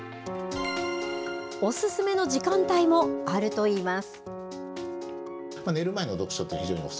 お勧めの時間帯もあるといいます。